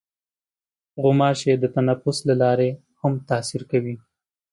غوماشې د تنفس له لارې هم تاثیر کوي.